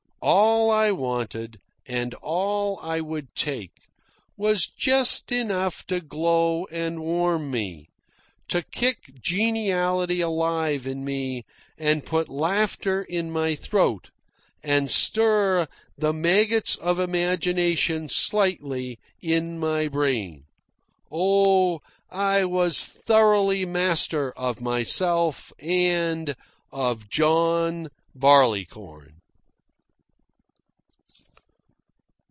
All I wanted, and all I would take, was just enough to glow and warm me, to kick geniality alive in me and put laughter in my throat and stir the maggots of imagination slightly in my brain. Oh, I was thoroughly master of myself, and of John Barleycorn.